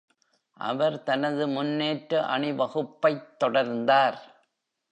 அவர் தனது முன்னேற்ற அணிவகுப்பைத் தொடர்ந்தார்.